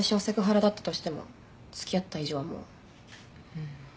うん。